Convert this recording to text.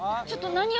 ちょっと何？